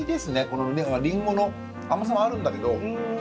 この林檎の甘さもあるんだけど。